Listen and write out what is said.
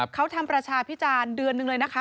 เขาทำประชาพิจารณ์เดือนหนึ่งเลยนะคะ